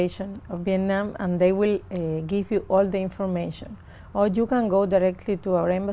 trong một chiếc tàu